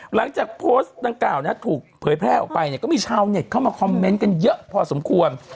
หลังจากโพสต์ดังกล่าวถูกเผยแพร่ออกไปเนี่ยก็มีชาวเน็ตเข้ามาคอมเมนต์กันเยอะพอสมควร